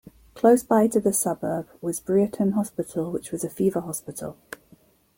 Close by to the suburb, was "Brierton Hospital" which was a fever hospital.